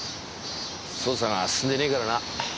捜査が進んでねえからな。